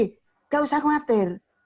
tidak usah khawatir